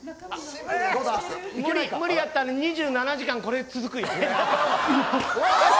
無理やったら２７時間これ続くよ。